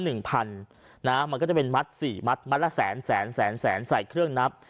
นะฮะมันก็จะเป็นมัด๔มัดมัดละแสนแสนแสนแสนใส่เครื่องนับ